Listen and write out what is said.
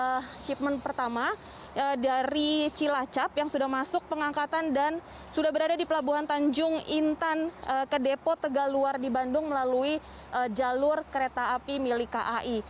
ini adalah shipment pertama dari cilacap yang sudah masuk pengangkatan dan sudah berada di pelabuhan tanjung intan ke depo tegaluar di bandung melalui jalur kereta api milik kai